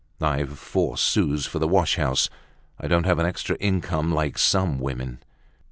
I've four sous for the wash house. I don't have an extra income like some women."